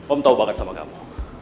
om tau banget sama kamu